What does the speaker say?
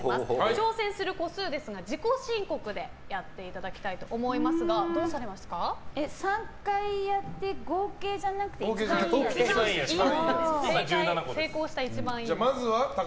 挑戦する個数は自己申告でやっていただきたいと思いますが３回やっての合計じゃなくて成功した一番いいやつです。